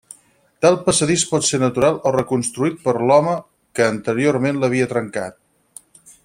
Tal passadís pot ser natural o reconstituït per l'home que anteriorment l'havia trencat.